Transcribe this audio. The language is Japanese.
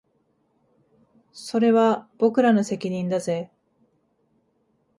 それは僕らの責任だぜ